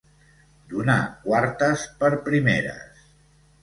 Donar quartes per primeres.